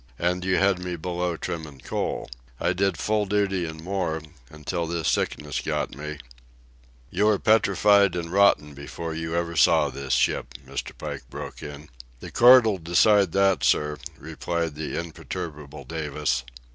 And you had me below trimmin' coal. I did full duty and more, until this sickness got me—" "You were petrified and rotten before you ever saw this ship," Mr. Pike broke in. "The court'll decide that, sir," replied the imperturbable Davis.